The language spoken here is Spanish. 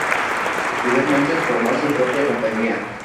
Posteriormente formó su propia compañía.